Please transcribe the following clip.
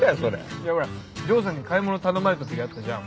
いやほら丈さんに買い物頼まれた時あったじゃん？